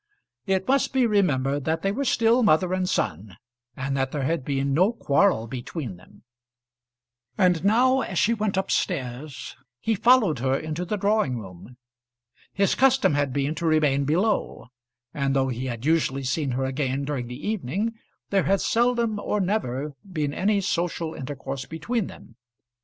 It must be remembered that they were still mother and son, and that there had been no quarrel between them. And now, as she went up stairs, he followed her into the drawing room. His custom had been to remain below, and though he had usually seen her again during the evening, there had seldom or never been any social intercourse between them.